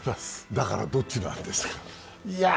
だから、どっちなんですか？